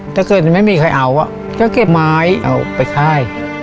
ถ้าเกิดไม่มีใครเอาก็เก็บไม้เอาไปค่าย